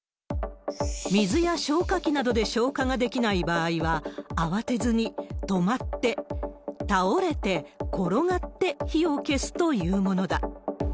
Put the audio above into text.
水や消火器などで消火ができない場合は、慌てずに止まって、倒れて、転がって火を消すというものだ。